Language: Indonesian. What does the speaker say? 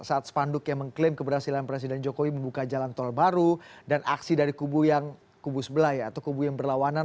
saat spanduk yang mengklaim keberhasilan presiden jokowi membuka jalan tol baru dan aksi dari kubu yang berlawanan